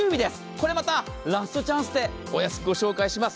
これまたラストチャンスでお安くご紹介します。